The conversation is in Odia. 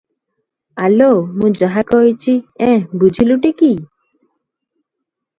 ଆଲୋ ମୁଁ ଯାହା କହିଛି- ଏଁ, ବୁଝିଲୁଟି କି?